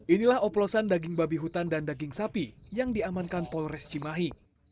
inilah oplosan daging babi hutan dan daging sapi yang diamankan polres cimahi